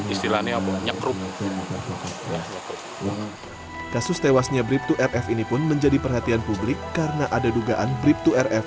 istilahnya kerum kasus tewasnya brib dua rf ini pun menjadi perhatian publik karena ada dugaan brip dua rf